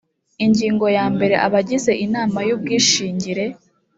ingingo ya mbere abagize inama y’ubwishingire